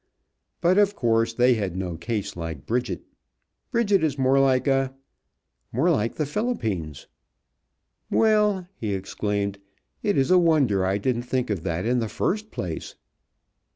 "But of course they had no case like Bridget. Bridget is more like a more like the Philippines. Well!" he exclaimed, "it is a wonder I didn't think of that in the first place!"